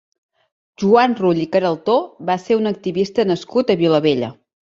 Joan Rull i Queraltó va ser un activista nascut a Vilabella.